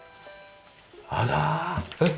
あら。